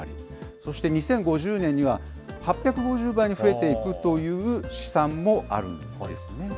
そして２０５０年には８５０倍に増えていくという試算もあるんですね。